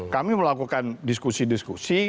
kami melakukan diskusi diskusi